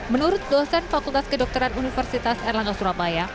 menurut dosen fakultas kedokteran universitas erlangga surabaya